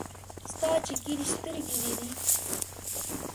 ستا چي ژېري سترګي دې دي .